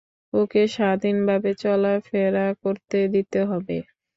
ওকে স্বাধীনভাবে চলাফেরা করতে দিতে হবে।